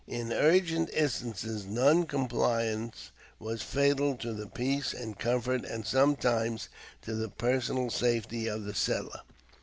In urgent instances non compliance was fatal to the peace and comfort and sometimes to the personal safety of the settler.